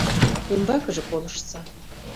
— Умбакыже колыштса!